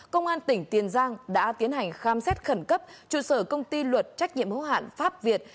công an tỉnh tiền giang đã tiến hành khám xét khẩn cấp trụ sở công ty luật trách nhiệm hữu hạn pháp việt